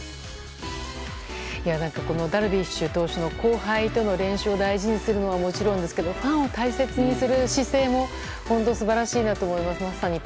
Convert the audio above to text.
ダルビッシュ投手の後輩との練習を大事にするのはもちろんですがファンを大切にする姿勢も本当、素晴らしいなと思います。